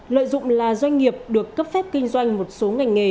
lợi dụng là doanh nghiệp được cấp phép kinh doanh một số ngành nghề